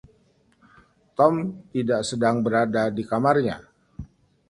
Tom tidak sedang berada di kamarnya.